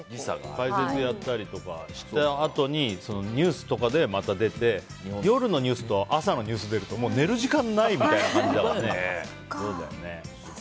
解説やったりとかしたあとにニュースとかにまた出て夜のニュース出て朝のニュース出たらもう寝る時間ないみたいな感じだからね。